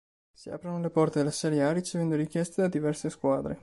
Si aprono le porte della Serie A ricevendo richieste da diverse squadre.